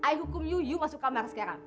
i hukum you you masuk kamar sekarang